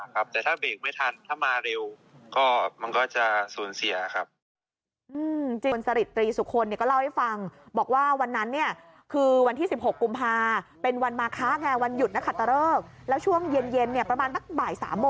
คือถ้าเบรกทันก็ถือว่าได้แค่เสียเวลาครับ